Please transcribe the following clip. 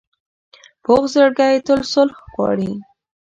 پوخ زړګی تل صلح غواړي